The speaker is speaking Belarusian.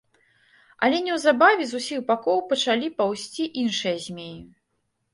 Але неўзабаве з усіх бакоў пачалі паўзці іншыя змеі.